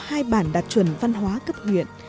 hai bản đạt chuẩn văn hóa cấp nguyện